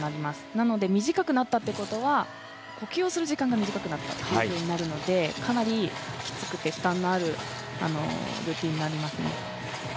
なので短くなったということは呼吸をする時間が短くなったということなのでかなり、きつくて負担のあるルーティンになりますね。